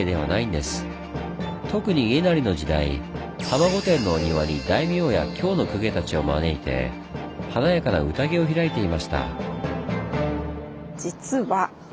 特に家斉の時代浜御殿のお庭に大名や京の公家たちを招いて華やかな宴を開いていました。